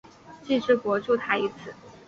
既之国筑台于此。